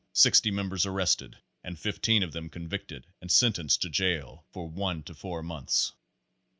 Sixty members arrested and 15 of them convicted and sentenced to jail for one to four months.